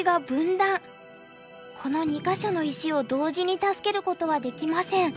この２か所の石を同時に助けることはできません。